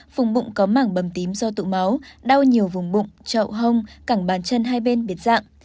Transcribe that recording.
vùng bụng có mảng bầm tím do tụ máu đau nhiều vùng bụng chậu hông cảnh bàn chân hai bên biệt dạng